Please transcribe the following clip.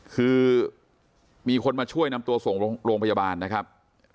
คือมีคนมาช่วยนำตัวส่งโรงพยาบาลนะครับ